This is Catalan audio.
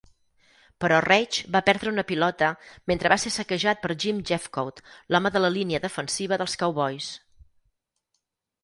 Però Reich va perdre una pilota mentre va ser saquejat per Jim Jeffcoat, l'home de la línia defensiva dels Cowboys.